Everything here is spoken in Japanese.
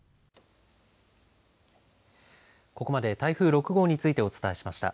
ここまで台風６号についてお伝えしました。